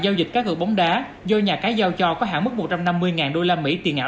giao dịch cá cửa bóng đá do nhà cái giao cho có hẳn mức một trăm năm mươi usd tiền ảo